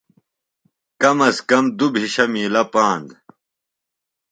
کم از کم دُوبھِشہ مِیلہ پاند